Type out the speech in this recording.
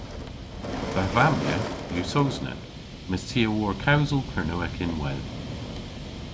Dha vammyeth yw Sowsnek, mes ty a wor kewsel Kernewek ynwedh.